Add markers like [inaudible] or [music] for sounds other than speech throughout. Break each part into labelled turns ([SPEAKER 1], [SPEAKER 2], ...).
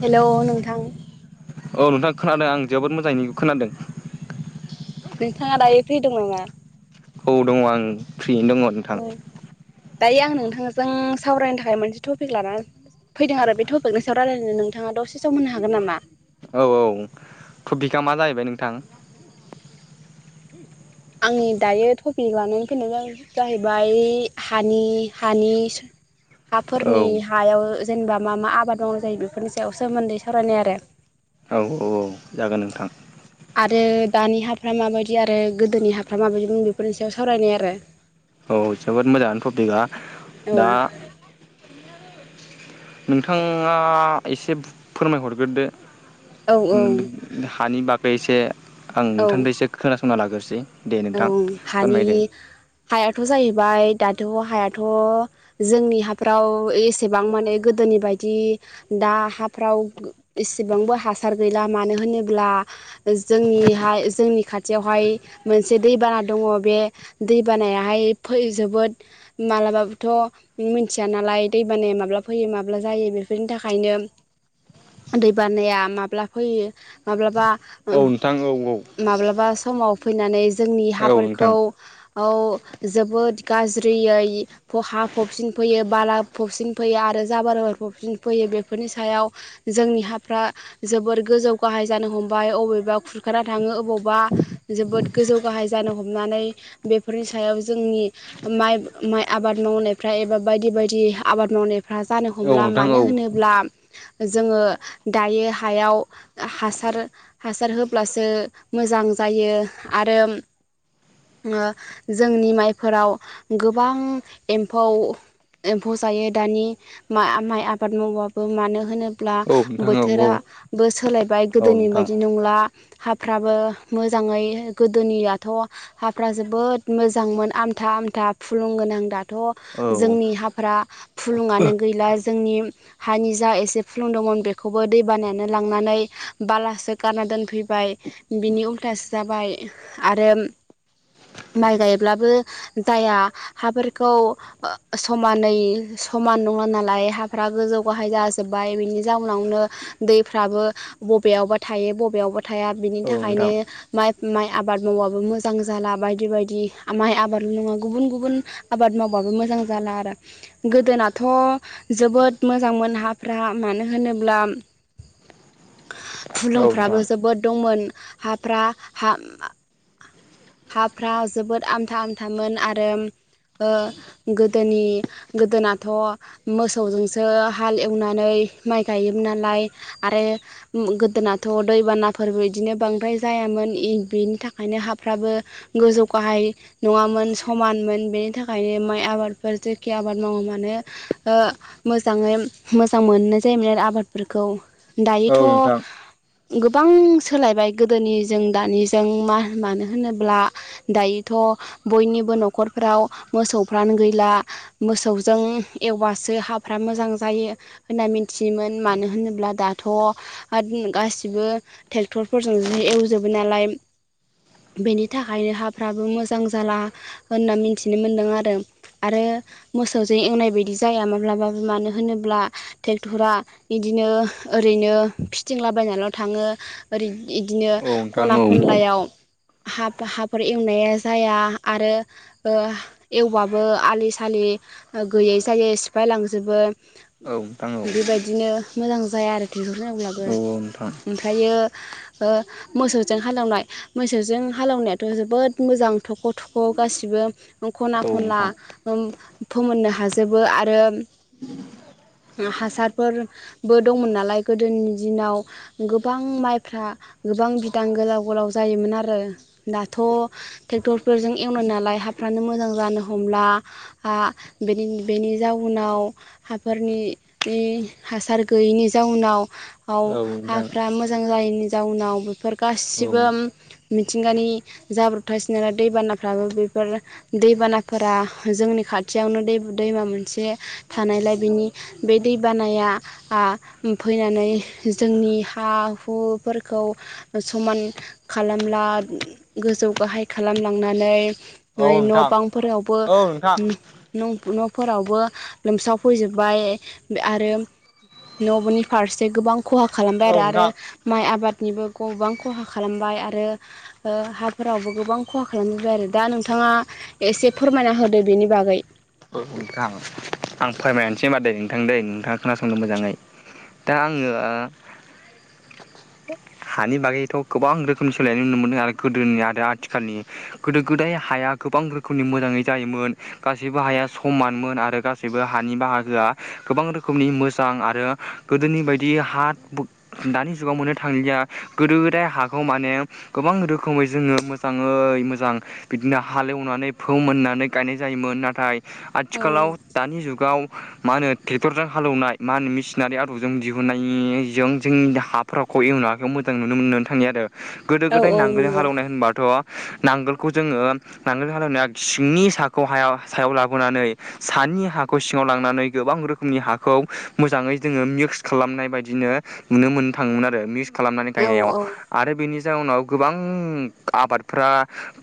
[SPEAKER 1] हेल' नोंथां
[SPEAKER 2] औ नोंथांङा खोनादों आं जोबोद मोजाङै खोनादों।
[SPEAKER 1] नोंथाङा दायो फैदों नामा?
[SPEAKER 2] औ दङ आं फ्रियैनो दङ।
[SPEAKER 1] दायो आं नोंथांजों सावरायनो थाखाय मोनसे टपिक लाना फैदों आरो बे टपिकनि सायाव रायजलायनो नोंथाङा दसे समआव मोननो हागोन नामा?
[SPEAKER 2] औ औ थभकआ मा जाहैबाय नोंथां?
[SPEAKER 1] आंनि दायो थटपिक लानानै फैनाय जाबाय जाहैबाय हानि हानि
[SPEAKER 2] औ
[SPEAKER 1] हाफोरनि हायाव जेनेबा मा मा आबाद मावनाय जायो बेफोरनि सायाव सोमोन्दै सावरायनाय आरो।
[SPEAKER 2] औ औ औ जागोन नोंथां।
[SPEAKER 1] आरो दानि हाफ्रा माबायदि आरो गोदोनि हाफ्रा माबायदि बुं बेफोरनि सायाव सावरायनाय आरो।
[SPEAKER 2] औ जोबोद मोजां टपिकआ
[SPEAKER 1] औ
[SPEAKER 2] दा नोंथाङा एसे फोरमायहरग्रोदो।
[SPEAKER 1] औ औ
[SPEAKER 2] हानि बागै एसे आं
[SPEAKER 1] औ
[SPEAKER 2] नोंथांजोंसे खोनासंना लाग्रोसै। दे
[SPEAKER 1] औ
[SPEAKER 2] नोंथां
[SPEAKER 1] हानि
[SPEAKER 2] फोरमायदो
[SPEAKER 1] हायाथ' जाहैबाय दाथ' हायाथ' जोंनि हाफ्राव एसेबां माने गोदोनि बायदि। दा हाफ्राव एसेबांबो हासार गैला मानो होनोब्ला। जोंनिहाय जोंनि खाथियावहाय मोनसे दैबाना दङ बे दैबानायाहायै जोबोद माबलाबाबोथ' न मिथिया नालाय दै बानाया माब्ला फैयो माब्ला जायो बेफोरनि थाखायनो दै बानाया माब्ला फैयो माब्लाबा
[SPEAKER 2] औ नोंथां औ औ
[SPEAKER 1] माब्लाबा समाव फैनानै जोंनि
[SPEAKER 2] औ नोंथां
[SPEAKER 1] हाफोरखौ औ जोबोद गाज्रियै हा फबसिन फैयो बाला फबसिन फैयो आरो जाबार फबसिन फैयो बेफोरनि सायाव जोंनि हाफ्रा जोबोर गोजौ गाहाय जानो हमबाय अबेबा खुरखाना थाङो अबावबा जोबोद गोजौ गाहाय जानो हमनानै बेफोरनि सायाव जोंनि माइ माइ आबाद मावनायफ्रा एबा बायदि बायदि आबाद मावनायफ फ्रा जानो
[SPEAKER 2] औ
[SPEAKER 1] हमला
[SPEAKER 2] नोंथां औ
[SPEAKER 1] मानो होनोब्ला अब्ला जोङो दायो हायाव हासार हासार होब्लासो मोजां जायो आरो जोंनि माइफोराव गोबां एम्फौ एम्फौ जायो दानि माइ आबाद मावबाबो मानो होनो अब्ला
[SPEAKER 2] औ नोंथां औ
[SPEAKER 1] बोथोराबो सोलायबाय
[SPEAKER 2] औ
[SPEAKER 1] गोदोनि
[SPEAKER 2] नोंथां
[SPEAKER 1] बायदि नंला। हाफ्राबो मोजाङै गोदोनियाथ' हाफ्रा जोबोद मोजांमोन आमथा आमथा फुलुंगोनां द
[SPEAKER 2] औ
[SPEAKER 1] थ' जोंनि हाफ फुलुङानो गैला जोंनि हानि जा एसे फुलुंदोंमोन बेखौबो दै बानायानो लांनानै बालासो गारना दोनफैबाय। बिनि उल्थासो जाबाय आरो माइ गायब्लाबो दाया हाफोरखौ समानै समान नङा नालाय हाफ्रा गोजौ गाहाय जाजोब्बाय बिनि जाउनावनो दैफ्राबो बबेयावबा थायो बबेयावबा थाया बिनि
[SPEAKER 2] औ नोंथां
[SPEAKER 1] थाखायनो माइ माइ आबाद मावाबो मोजां जाला बायदि बायदि माइ आबादल' नङा गुबुन गुबुन आबाद मावबाबो मोजां जाला आरो ‌। गोदोनाथ' जोबोद मोजांमोन हाफ्रा मानो होनोब्ला
[SPEAKER 2] औ नोंथां औ
[SPEAKER 1] फुलुंफ्राबो जोबोद दंमोन हाफ्रा ह हाफ्रा जोबोद आमथा आमथामोन आरो ओ गोदोनि गोदोनाथ' मोसौजोंसो हाल एवनानै माइ गायोमोन नालाय। आरो गोदोनाथ' दैबानाफोरबो बिदिनो बांद्राय जायामोन। बेनि थाखायनो हाफ्राबो गोजौ गाहाय नङामोन समानमोन बेनि थाखायनो माइ आबादफोर जेखि आबाद मावा मानो मोजाङै मोजां मोननाय जायोमोन आरो आबादफोरखौ ‌।
[SPEAKER 2] नोंथां
[SPEAKER 1] दायोथ' गोबां सोलायबाय गोदोनि जों दानिजों मा मानो होनोब्ला दायोथ' बयनिबो न'खरफ्राव मोसौफ्रानो गैला। मोसौजों एवबासो हाफ्रा मोजां जायो। होनना मिथियोमोन मानो होनोब्ला दाथ' आरो गासिबो ट्रेक्टरफोरजोंसो एवजोबो नालाय। बेनि थाखायनो हाफ्राबो मोजां जाला होनना मिथिनो मोनदों आरो। आरो मोसौजों एवनाय बायदि जाया माब्लाबाबो मानो होनोब्ला ट्रेक्टरा बिदिनो ओरैनो फिथिंलाबायनानैल' थाङो ओरै इदिनो
[SPEAKER 2] औ नोंथां
[SPEAKER 1] खना
[SPEAKER 2] औ
[SPEAKER 1] खनलायाव हा हाफोर एवनाया जाया आरो एवब्लाबो आलि सालि गैयै जायै सिफाय लांजोबो
[SPEAKER 2] औ [unintelligible]
[SPEAKER 1] बेबायदिनो मोजां जाया आरो ट्रेक्टर
[SPEAKER 2] औ
[SPEAKER 1] जांब्लाबो।
[SPEAKER 2] नोंथां
[SPEAKER 1] ओमफ्रायो मोसौजों हालेवनाय मोसौजों हालवनायाथ' जोबोद मोजां थख' थख' गासिबो खना
[SPEAKER 2] औ
[SPEAKER 1] खनला
[SPEAKER 2] नोंथां
[SPEAKER 1] फोमोननो हाजोबो आरो हासारफोर बो दंमोन नालाय गोदोनि दिनाव गोबां माइफ्रा गोबां बिदां गोलाव गोलाव जायोमोन आरो दाथ' ट्रेक्टरफोरजों एवनाय नालाय हाफ्रानो मोजां जानो हमला बेनि जाउनाव हाफोरनि हासार गैयिनि जाउनाव
[SPEAKER 2] औ नोंथां
[SPEAKER 1] हाफ मोजां जायैनि जाउनाव बेफोर
[SPEAKER 2] औ
[SPEAKER 1] गासिबो मिथिंगानि जाब्रबथासिनो नालाय दैबानाफ्राबो बेफोर दैबानाफोरा जोंनि खाथियावनो दै दैमा मोनसे थानायलाय बिनि बे दै बानाया आ फैनानै जोंनि हा हुफोरखौ समान खालामला गोजौ गाहाय खालामलांनानै ओ
[SPEAKER 2] औ
[SPEAKER 1] न'
[SPEAKER 2] नोंथां
[SPEAKER 1] बांफोरावबो
[SPEAKER 2] औ नोंथां औ
[SPEAKER 1] न'फोरावबो लोमसावफैजोब्बाय आरो न'नि फारसे गोबां खहा खालामबाय आरो
[SPEAKER 2] नोंथां
[SPEAKER 1] आरो माइ आबाद निबो गोबां खहा खालामबाय आरो हाफोरावबो गोबां खहा खालामनाय जाय आरो दा नोंथाङा एसे फोरमायना होदो बेनि बागै।
[SPEAKER 2] औ नोंथां आं फोरमायनोसै होनोमा दे नोंथां दैे नोंथाङा खोनासंदों मोजाङै। दा आङो हानि बागैथ' गोबां रोखोमनि सोलायनाय नुनो मोनदों आरो गोदोनि आरो आथिखालनि। गोदो गोदाय हाया गोबां रोखोमनि मोजाङै जायोमोन। गासैबो हाया समानमोन आरो गासैबो हानि बाहागोआ गोबां रोखोमनि मोजां आरो गोदोनि बायदि हा दानि जुगाव मोननो थांलिया। गोदो गोदाय हाखौ माने गोबां रोखोमै जोङो मोजाङै मोजां बिदिनो हालेवनानै फोमोननानै गायनाय जायोमोन नाथाय
[SPEAKER 1] औ
[SPEAKER 2] आथिखालाव दानि जुगाव मा होनो ट्रेक्टरजों हालेवनाय मा होनो मेसिनारि आदबजों दिहुननायजों जोंनि हा फोरावखौ एवनाङाखैखौ मोजां नुनो मोननानै थाङनि आरो गोदो
[SPEAKER 1] औ
[SPEAKER 2] गोदाय
[SPEAKER 1] औ
[SPEAKER 2] नांगोलजों हालेवनाय होनबाथ' नांगोलखौ जोङो नांगोल हालेवनाया सिंनि साखौ हायाव सायाव लाबोनानै सानि हाखौ सिङाव लांनानै गोबां रोखोमनि हाखौ मोजाङै जोङो मिक्स खालामनाय बायदिनो नुनो मोननो थाङोमोन आरो मिक्स खालामनानै
[SPEAKER 1] नंगौ
[SPEAKER 2] गायनायाव
[SPEAKER 1] औ
[SPEAKER 2] आरो बेनि जाउनाव गोबां आबादफ्रा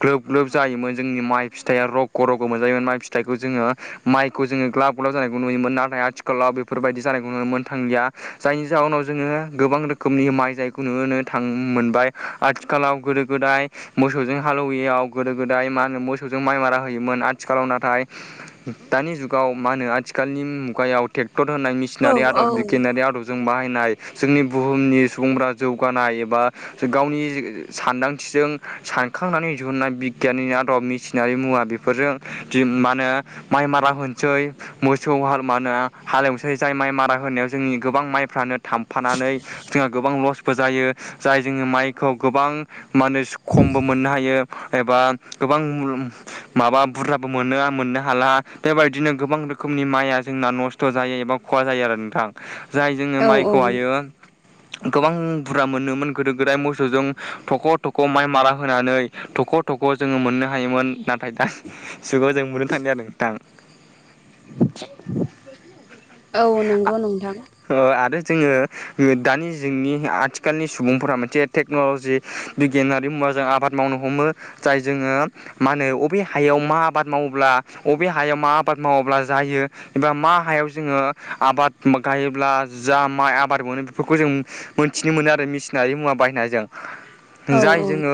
[SPEAKER 2] ग्लोब ग्लोब जायोमोन जोंनि माइ फिथाइयाबो रग रगखौ मोनजायोमोन मा फिथाइखौ जोङो माइखौ जोङो ग्लाब ग्लाब जानायखौ नुयोमोन नाथाय आथिखालाव बेफोरबायदि जानायखौ नुनो मोनो थांलिया। जायनि जाहोनाव जोङो गोबां रोखोमनि माइ जाय नुनो थां मोनबाय आथिखालाव गोदो गोदाय मोसौजों हालौवैयाव गोदो गोदाय मा होनो मोसौजों माइ मारा होयोमोन आथिखालाव नाथाय दानि जुगाव मा होनो आथिखालनि मुगायाव ट्रेक्टर होनाय मिसिन
[SPEAKER 1] औ
[SPEAKER 2] मसिनारि आदब बिगियानारि आदबजों बाहायनाय जोंनि बुहुमनि सुबुंफोरा जौगानाय एबा गावनि सानदांथिजों सानखांनानै दिहुननाय बिगियाननि आदब मिसिनारि मुवा बेफोर बेफोरजों मा होनो माइ मारा होनोसै मोसौ हाल म होनो हालेवस जाय माइ मारा होनायाव जोंनि गोबां माइफ्रानो थाम फानानै जोंहा गोबां लस बो जायो जाय जोङो माइखौ गोबां माने खमबो मोननो हायो। एबा गोबां रोखोमनि माबा बुरजाबो मोनो मोननो हाला बेबायदिनो गोबां रोखोमनि माइआ जोंना नस्थ थ जायो एबा खहा जायो आरो नोंथां जाय जोङो
[SPEAKER 1] औ
[SPEAKER 2] माइखौहायो गोबां बुरजा मोनोमोन गोदो गोदाय मोसौजों थख' थख' माइ मारा होनानै थख' फट'खौ जोङो मोननो हायोमोन नाथाय दा जुगाव जों मोननो थांदों आरो नोंथां।
[SPEAKER 1] [inaudible] औ नंगौ नोंथां
[SPEAKER 2] आरो जोङो दानि जोंनि आथिखाल आथिखालनि सुबुंफोरा मोनसे टेक्न'लजि बिगियानारि मुवाजों आबाद मावनो हमो। जाय जोङो मा होनो बबे हायाव मा आबाद मावोब्ला बबे हायाव मा आबाद मावोब्ला जायो एबा मा हायाव जोङो आबाद गायोब्ला जा माइ आबाद मोनो बेफोरखौ जों मोनथिनो मोनो आरो मेसिनारि मुवा बायनायजों
[SPEAKER 1] औ
[SPEAKER 2] जाय
[SPEAKER 1] औ
[SPEAKER 2] जोङो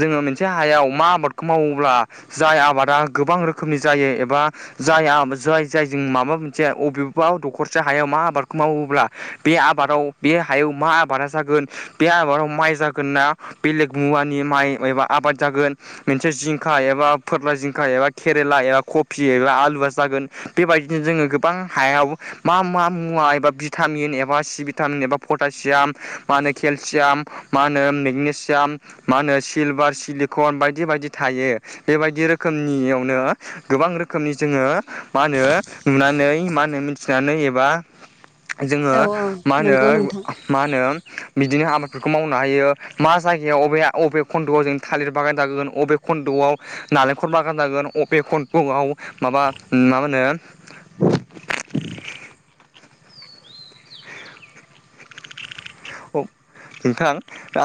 [SPEAKER 2] जोङो मोनसे हायाव मा आबादखौ मावोब्ला जाय आबादा गोबां रोखोमनि जायो एबा जाय जाय जाय जों माबा मोनसे अबेबा दखरसे हायाव मा आबादखौ मावोब्ला बे आबादाव बे हायाव मा आबादा जागोन बे आबादाव माइ जागोन ना बेलेग मुवानि माइ एबा आबाद जागोन मोनसे जिंखा एबा फोरला जिंखा एबा केरेला एबा कफि एबा आलुआ जागोन। बेबायदिनो जोङो गोबां हायाव मा मा मुवा एबा भिटामिन एबा सि भिटामिन एबा पटासियाम मा होनो केलसियाम मा होनो मेगनेसियाम मा होनो सिलभार सिलिकन बायदि बायदि थायो बेबायदि रोखोमनियावनो गोबां रोखोमनि जोङो मा होनो नुनानै मा होनो मिथिनानै एबा जोङो
[SPEAKER 1] औ औ
[SPEAKER 2] मा होनो
[SPEAKER 1] नंगौ नोंथां
[SPEAKER 2] मा होनो बिदिनो आबादफोरखौ मावनो हायो मा जायगायाव अबे अबे खन्द'आव जों थालिर बागान जागोगोन बबे खन्द'आव नालेंखल बागान जागोन अबे खन्द'आव माबा मा होनो? [unintelligible] नोंथां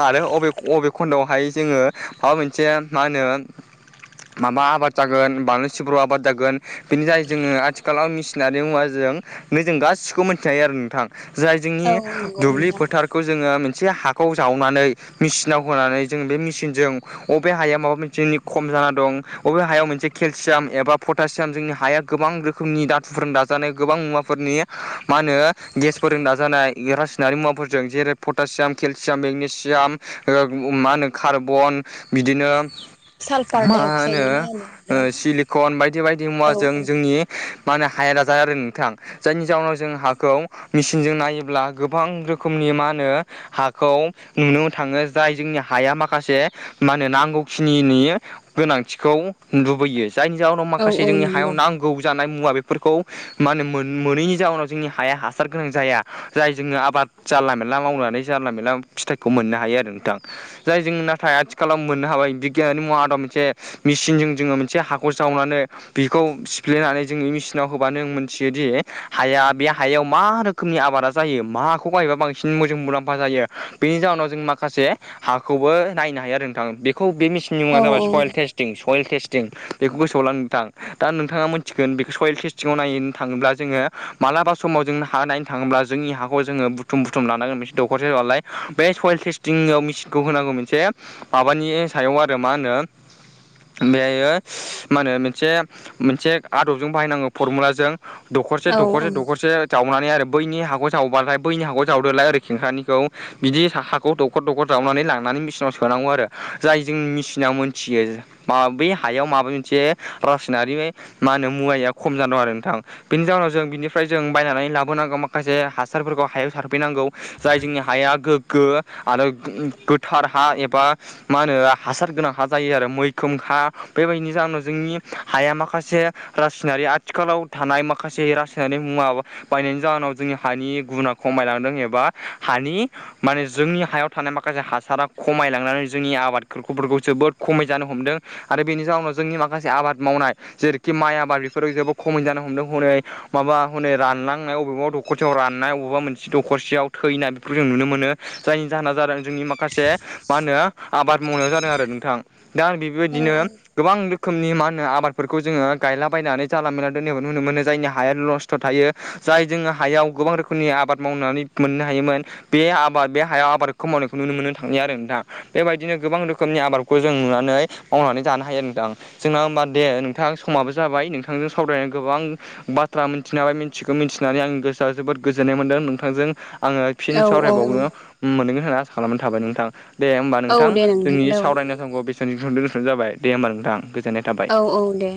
[SPEAKER 2] आरो अबे अबे खन्दआवहाय जोङो माबा मोनसे मा होनो माबा आबाद जागोन बानलु सिब्र' आबाद जागोन बेनि जाय जोङो आथिखालाव मेसिनारि मुवाजों नै जों गासिखौबो मिथि हायो आरो नोंथां जाय जोंनि
[SPEAKER 1] औ नंगौ
[SPEAKER 2] दुब्लि
[SPEAKER 1] नोंथां
[SPEAKER 2] टारखौ जोङो मोनसे हाखौ जावनानै मेचिनाव होनानै जों बे मेचिनजों अबे हाया माबा मोनसेनि खम जा दं बबे हायाव मोनसे केलसियाम एबा पट पटासियाम जोंनि हाया गोबां रोखोमनि दातुफोरजों दाजानाय गोबां मुवाफोरनि मा होनो गेसफोरजों दाजानाय रासायनारि मुवाफोरफोर जों जेरै पटासियाम केलसियाम मेगनेसियाम ओ मा होनो कार्बन बिदिनो
[SPEAKER 1] सालफार
[SPEAKER 2] मा
[SPEAKER 1] डाइ अक्साइड
[SPEAKER 2] होनो ओ
[SPEAKER 1] ना मा होनो
[SPEAKER 2] सिलिकन बायदि बायदि
[SPEAKER 1] नोंथां औ
[SPEAKER 2] मुवाजों जोंनि मा होनो हाया ना जाया आरो नोंथां जायनि जाहोनाव जों हाखौ मेचिनजों नायोब्ला गोबां रोखोमनि मा होनो हाखौ नुनो थाङो जाय जोंनि हाया माखासे मा होनो नांगौखिनि गोनांथिखौ लुबैयो जायनि जाहोनाव
[SPEAKER 1] औ
[SPEAKER 2] माखासे
[SPEAKER 1] औ
[SPEAKER 2] जोंनि हायाव
[SPEAKER 1] नंगौ
[SPEAKER 2] नांगौ जानाय मुवा बेफोरखौ मा होनो मोन मोनैनि जाउनाव जोंनि हाया हासार गोनां जाया जाय जोङो आबाद जानला मेनला मावनानै जानला मेनला फिथाइखौ मोननो हायो आरो नोंथां जाय जों नाथाय आथिखालाव मोननो हाबाय बिगियाननि मुवा आदब मोनसे मेसिनजों जोङो मोनसे हाखौ जावनानै बेखौ सिफ्लेनानै जोंनि मेसिनाव होबानो जों मोनथियो दि हाया बे हायाव मा रोख खोमनि आबादा जायो माखौ गायोबा बांसिन मोजां मुलाम्फा जायो बेनि जाहोनाव जों माखासे हाखौबो नायनो हायो आरो नोंथां बेखौ बे मेसिननि
[SPEAKER 1] औ
[SPEAKER 2] मुङा जाबाय सयेल
[SPEAKER 1] औ
[SPEAKER 2] टेस्ट सयेल टेस्टिं बेखौ गोसोआव ला नोंथां दा नोंथाङा मिथिगोन बेखौ सयेल टेस्टिंआव नायनो थाङोब्ला जोङो मालाबा समाव जों हा नायनो थाङोब्ला जोंनि हाखौ जोङो बुथुम बुथुम लानांगोन मोनसे दख'रसे नालाय बे सयल टेस्टिंआव मेचिनखौ होनांगौ मोनसे माबानि सायाव आरो मा होनो बेहायो मा होनो मोनसे मोनसे आदबजों बाहायनांगौ फरमुलाजों दखरसे
[SPEAKER 1] औ
[SPEAKER 2] दखरसे दखरसे जावनानै आरो बैनि हाखौ जावबाथाय बैनि हाखौ जावदोलाय ओरै खेंख्रानिखौ बिदि हाखौ दखर दखर जावनानै लांनानै मेसिनाव सोनांगौ आरो जाय जोंनि मेसिना मोनथियो मा बै हायाव माबा मोनसे रासायनारि मा होनो मुवाया खम जाना दं आरो नोंथां बेनि जाउनाव जों बिनिफ्राय जों बायनानै लाबोनांगौ माखासे हासारफोरखौ हायाव सारफैनांगौ जाय जोंनि हाया गोग्गो आरो गोथार हा एबा मा होनो हासार गोनां हा जायो आरो मैखोम हा बेबायदिनो जाहोनाव जोंनि हाया माखासे रासायनारि आथिखालाव थानाय माखासे रासायनारि मुवा बायनायनि जाहोनाव जोंनि हानि गुना खमायलांदों एबा हानि माने जोंनि हायाव थानाय माखासे हासारा खमायलांनानै जोंनि आबादफोरखौफोरखौ जोबोद खमाय जानो हमदों आरो बेनि जाउनाव जोंनि माखासे आबाद मावनाय जेरैखि माइ आबाद बेफोरो जेबो खमै जानो हमदों हनै माबा हनै रानलांनाय अबेबा दखरसेयाव राननाय अबेबा मोन दखरसेयाव थैनाय बेखौ जों नुनो मोनो जायनि जाहोना जादों जोंनि माख माखासे मा होनो आबाद मावनायाव जादों आरो नोंथां दा आं
[SPEAKER 1] औ
[SPEAKER 2] बेबायदिनो गोबां रोखोमनि मा होनो आबादफोरखौ जोङो गायलाबायनानै जानला मेनला दोननायबो नुनो मोनो जायनि हाया लस खस्थ' थायो जाय जोङो हायाव गोबां रोखोमनि आबाद मावनानै मोननो हायोमोन बे आबाद बे हायाव आबादखौ मावनायखौ नुनो मोननो थाङो आरो नोंथां बेबायदिनो गोबां रोखोमनि आबादखौ जों नुनानै मावनानै जानो हायो नोंथां जोंना होमबा दे नोंथां समाबो जाबाय नोंथांजों सावरायनाय गोबां बाथ्रा मिथिनााय मिथिखो मिथिनानै आंनि गोसोआ जोबोद गोजोननाय मोनदों नों नोंथांजों आङो फिन
[SPEAKER 1] औ औ
[SPEAKER 2] सावरायबावनो मोनगोन होनना आसा खालामनाय थाबाय नोंथां दे होमबा
[SPEAKER 1] औ
[SPEAKER 2] नोंथां
[SPEAKER 1] दे
[SPEAKER 2] जोंनि
[SPEAKER 1] नोंथां औ
[SPEAKER 2] सावरायनाय समखौ बेसेन [unintelligible] दोनथ'नाय जाबाय दे होमबा नोंथां गोजोननाय थाबाय
[SPEAKER 1] औ दे